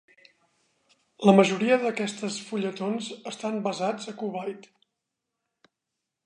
La majoria d'aquestes fulletons estan basats a Kuwait.